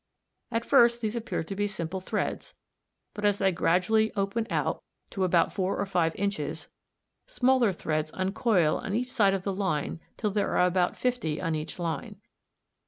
At first these appear to be simple threads, but as they gradually open out to about four or five inches, smaller threads uncoil on each side of the line till there are about fifty on each line.